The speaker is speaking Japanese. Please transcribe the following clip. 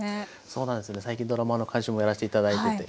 そうなんですよね最近ドラマの監修もやらせて頂いてて。